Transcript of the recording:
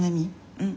うん。